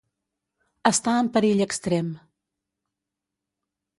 Estar en perill extrem.